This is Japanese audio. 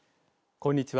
こんにちは。